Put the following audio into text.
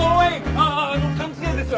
あああの勘違いです。